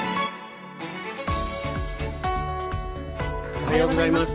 おはようございます。